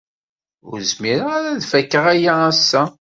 Ur zmireɣ ara ad fakeɣ aya ass-a.